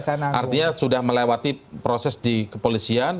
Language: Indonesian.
artinya sudah melewati proses di kepolisian